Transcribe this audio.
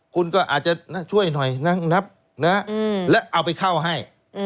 คุณก็อาจจะช่วยหน่อยนั่งนับแล้วเอาไปเข้าให้